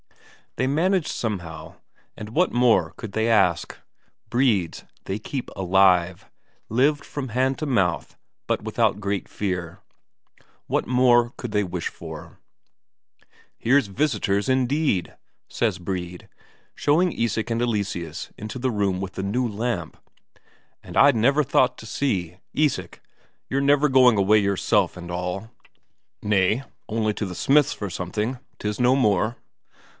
They managed somehow, and what more could they ask? Bredes, they kept alive, lived from hand to mouth, but without great fear. What more could they wish for? "Here's visitors indeed!" says Brede, showing Isak and Eleseus into the room with the new lamp. "And I'd never thought to see. Isak, you're never going away yourself, and all?" "Nay, only to the smith's for something, 'tis no more."